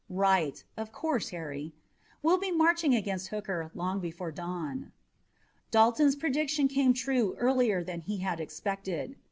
"Right, of course, Harry. We'll be marching against Hooker long before the dawn." Dalton's prediction came true earlier than he had expected.